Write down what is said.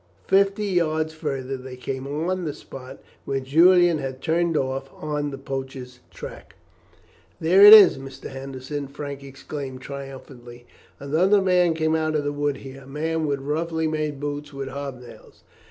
Fifty yards further they came on the spot where Julian had turned off on the poacher's track. "There it is, Mr. Henderson!" Frank exclaimed triumphantly. "Another man came out of the wood here a man with roughly made boots with hob nails.